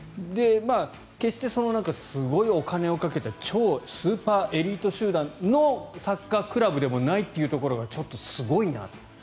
決して、すごいお金をかけた超スーパーエリート集団のサッカークラブでもないというところがちょっとすごいなと。